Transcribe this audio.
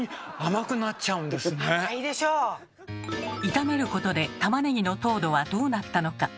炒めることでたまねぎの糖度はどうなったのか。